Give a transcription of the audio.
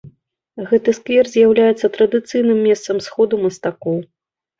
Гэты сквер з'яўляецца традыцыйным месцам сходу мастакоў.